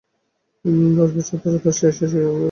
দশ বছর ধরে তাঁরা এই শিশি আগলে রেখেছেন।